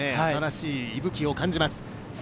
新しい息吹を感じます。